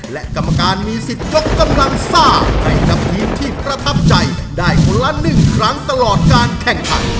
และกรรมการมีสิทธิ์ยกกำลังซ่าให้กับทีมที่ประทับใจได้คนละ๑ครั้งตลอดการแข่งขัน